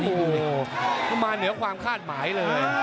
โอ้โหมันมาเหนือความคาดหมายเลย